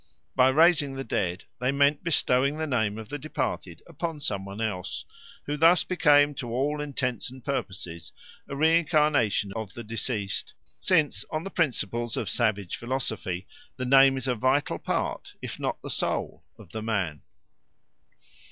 By raising the dead they meant bestowing the name of the departed upon some one else, who thus became to all intents and purposes a reincarnation of the deceased, since on the principles of savage philosophy the name is a vital part, if not the soul, of the man.